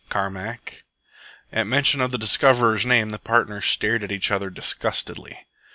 "Carmack." At mention of the discoverer's name the partners stared at each other disgustedly.